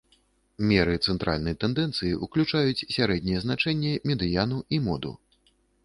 Меры цэнтральнай тэндэнцыі ўключаюць сярэдняе значэнне, медыяну і моду.